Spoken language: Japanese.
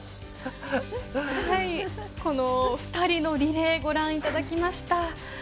２人のリレーご覧いただきました。